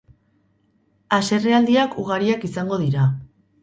Haserrealdiak ugariak izango dira.